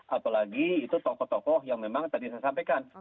apalagi itu tokoh tokoh yang memang tadi saya sampaikan